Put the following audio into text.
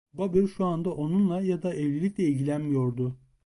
Babür şu anda onunla ya da evlilikle ilgilenmiyordu.